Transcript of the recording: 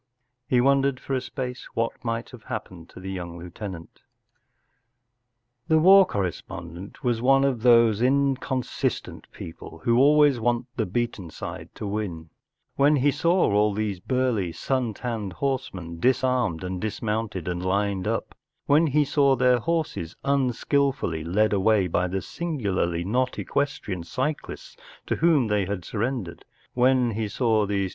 ..." He wondered for a space what might have happened to the young lieutenant The war correspondent was one of those inconsistent people who always want the beaten side to win. When he saw all these burly, sun tanned horsemen, disarmed and dismounted and lined up; when he saw their horses unskilfully led away by the sin¬ gularly not equestrian cyclists to whom they had surr<0(4gj^l ftthep he saw these trun UNIVERSITYOF MICHIGAN 764 THE STRAND MAGAZINE.